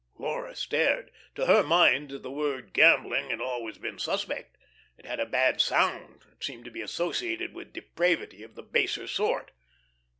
Laura stared. To her mind the word "gambling" had always been suspect. It had a bad sound; it seemed to be associated with depravity of the baser sort.